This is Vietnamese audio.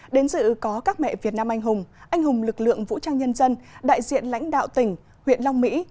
đến dự có các mẹ việt nam anh hùng anh hùng lực lượng vũ trang nhân dân đại diện lãnh đạo tỉnh huyện long mỹ